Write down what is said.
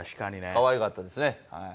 かわいかったですね。